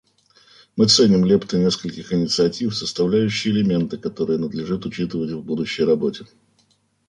Мы ценим лепты нескольких инициатив, составляющие элементы, которые надлежит учитывать в будущей работе.